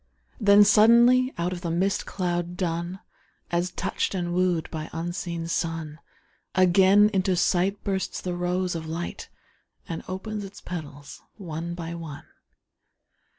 Then suddenly out of the mist cloud dun, As touched and wooed by unseen sun, Again into sight bursts the rose of light And opens its petals one by one.